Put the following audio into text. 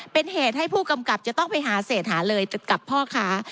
เป็นเหตุให้ผู้กำกับจะต้องไปหาเศษหาเลยกับพ่อค้า